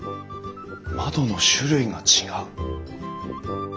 窓の種類が違う。